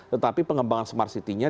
tetapi pengembangan smart city nya